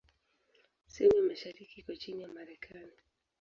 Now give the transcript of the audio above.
Sehemu ya mashariki iko chini ya Marekani.